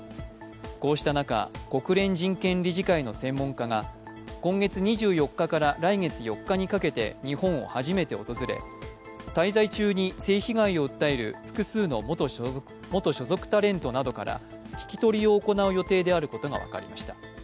こうした中、国連人権理事会の専門家が今月２４日から来月４日にかけて日本を初めて訪れ滞在中に性被害を訴える複数の元所属タレントらから聞き取りを行う予定であることが分かりました。